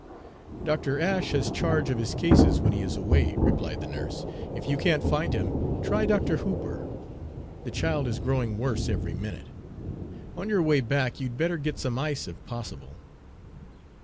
"Dr. Ashe has charge of his cases when he is away," replied the nurse. "If you can't find him, try Dr. Hooper. The child is growing worse every minute. On your way back you'd better get some ice, if possible."